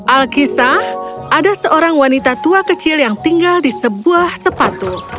alkisah ada seorang wanita tua kecil yang tinggal di sebuah sepatu